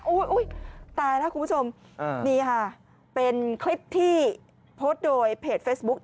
อุ้ยตายแล้วคุณผู้ชมนี่ค่ะเป็นคลิปที่โพสต์โดยเพจเฟซบุ๊ค